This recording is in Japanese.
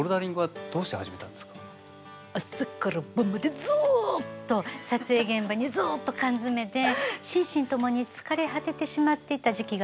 朝から晩までずっと撮影現場にずっと缶詰めで心身共に疲れ果ててしまっていた時期があるんです。